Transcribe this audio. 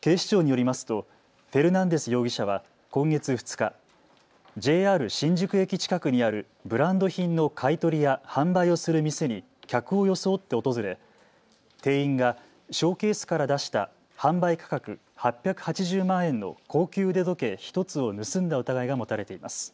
警視庁によりますとフェルナンデス容疑者は今月２日、ＪＲ新宿駅近くにあるブランド品の買い取りや販売をする店に客を装って訪れ店員がショーケースから出した販売価格８８０万円の高級腕時計１つを盗んだ疑いが持たれています。